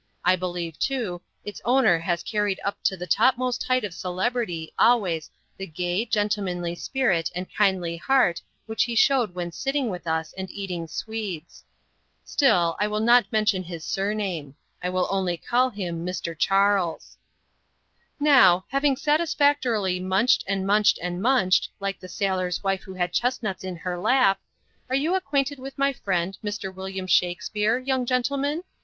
I believe, too, its owner has carried up to the topmost height of celebrity always the gay, gentlemanly spirit and kindly heart which he showed when sitting with us and eating swedes. Still, I will not mention his surname I will only call him "Mr. Charles." "Now, having satisfactorily 'munched, and munched, and munched,' like the sailor's wife who had chestnuts in her lap are you acquainted with my friend, Mr. William Shakspeare, young gentleman?